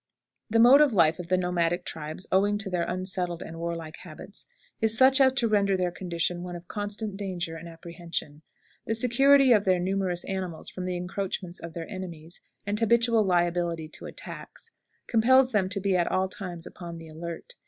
The mode of life of the nomadic tribes, owing to their unsettled and warlike habits, is such as to render their condition one of constant danger and apprehension. The security of their numerous animals from the encroachments of their enemies and habitual liability to attacks compels them to be at all times upon the alert.